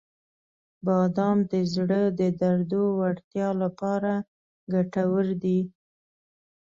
• بادام د زړه د دردو وړتیا لپاره ګټور دي.